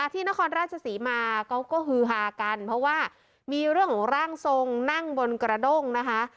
ที่นครราชศรีมาเขาก็ฮือฮากันเพราะว่ามีเรื่องของร่างทรงนั่งบนกระด้งนะคะ